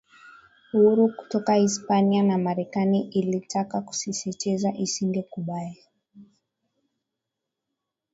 uhuru kutoka Hispania na Marekani ilitaka kusisitiza isingekubali